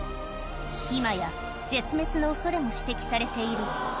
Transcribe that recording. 今や絶滅のおそれも指摘されている。